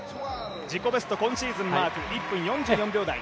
自己ベスト今シーズンマーク１分４４秒台。